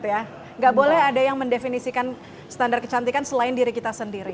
tidak boleh ada yang mendefinisikan standar kecantikan selain diri kita sendiri